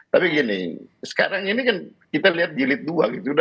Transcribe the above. tapi gini sekarang ini kan kita lihat jilid dua gitu